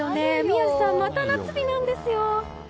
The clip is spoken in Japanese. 宮司さん、また夏日なんですよ。